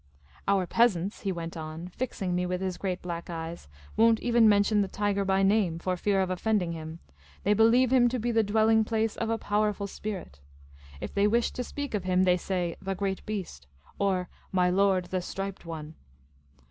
" Our peasants," he went on, fixing me with his great black eyes, " won't even mention the tiger by name, for fear of offending him ; they believe him to be the dwelling place of a powerful spirit. If they wish to speak of him, they say * the great beast,' or ' my lord, the striped one.'